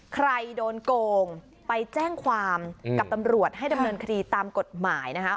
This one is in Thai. ใครโดนโกงไปแจ้งความกับตำรวจให้ดำเนินคดีตามกฎหมายนะคะ